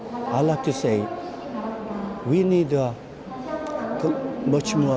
jadi lebih besar lebih teruja